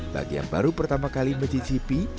bagi yang baru pertama kali mencicipi